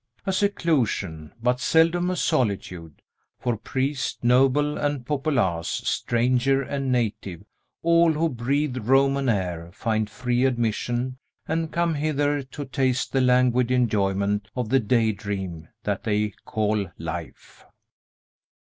A seclusion, but seldom a solitude; for priest, noble, and populace, stranger and native, all who breathe Roman air, find free admission, and come hither to taste the languid enjoyment of the day dream that they call life.